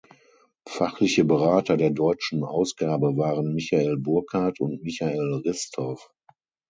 Fachliche Berater der deutschen Ausgabe waren Michael Burkart und Michael Ristow.